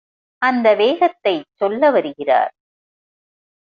அந்த வேகத்தைச் சொல்ல வருகிறார்.